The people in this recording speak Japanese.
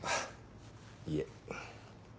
いえ。